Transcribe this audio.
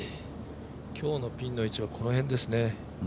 今日のピンの位置はこの辺ですね。